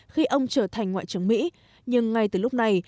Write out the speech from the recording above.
khi ông trở thành ngoại trưởng mỹ nhưng ngay từ lúc này